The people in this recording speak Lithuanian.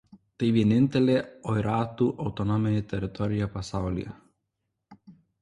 Tai vienintelė oiratų autonominė teritorija pasaulyje.